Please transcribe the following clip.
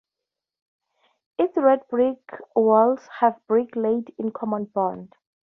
Its red brick walls have brick laid in common bond.